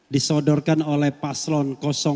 disodorkan oleh paslon dua